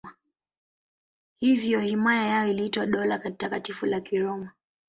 Hivyo himaya yao iliitwa Dola Takatifu la Kiroma.